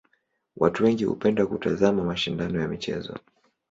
Watu wengi hupenda kutazama mashindano ya michezo.